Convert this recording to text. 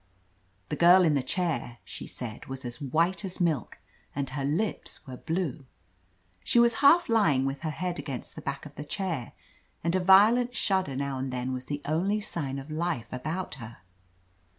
The girl in the chair, she said, was as white as milk, and her lips were blue. She was half lying, with her head against the back of the chair, and a violent shudder now and then was the only sign of life about her.